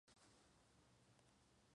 La ciudad fue un nido de piratas.